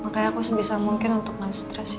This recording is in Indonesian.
makanya aku sebisa mungkin untuk nganstres ya